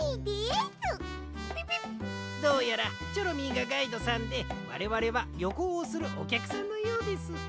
ピピッどうやらチョロミーがガイドさんでわれわれはりょこうをするおきゃくさんのようです。